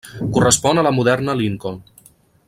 Correspon a la moderna Lincoln.